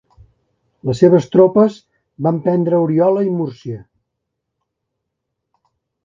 Les seves tropes van prendre Oriola i Múrcia.